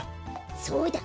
そうだ。